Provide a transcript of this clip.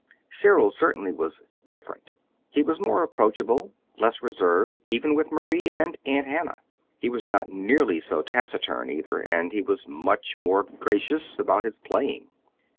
Cyril certainly was "different." He was more approachable, less reserved, even with Marie and Aunt Hannah. He was not nearly so taciturn, either, and he was much more gracious about his playing.